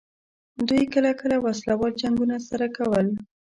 دوی کله کله وسله وال جنګونه سره کول.